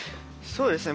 そうですね